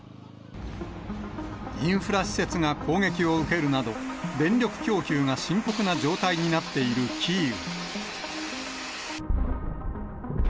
インフラ施設が攻撃を受けるなど、電力供給が深刻な状態になっているキーウ。